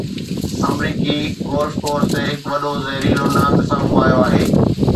آمريڪي golf course تي هڪ وڏو زهريلو نانگ سامهون آيو آهي